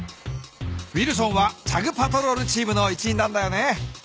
ウィルソンはチャグ・パトロールチームの一員なんだよね。